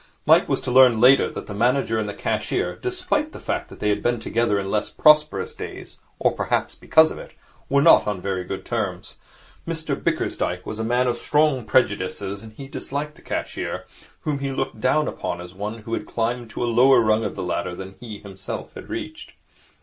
Mike was to learn later that the manager and the cashier, despite the fact that they had been together in less prosperous days or possibly because of it were not on very good terms. Mr Bickersdyke was a man of strong prejudices, and he disliked the cashier, whom he looked down upon as one who had climbed to a lower rung of the ladder than he himself had reached.